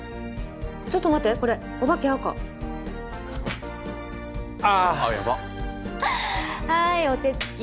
ちょっと待ってこれオバケ赤ああっあっやばっはいお手つき